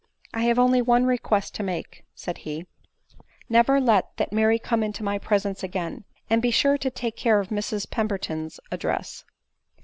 "I have only one request to make," said he —" Never let that Mary come into my presence again ; and be sure to take care of Mrs Pemberton's address."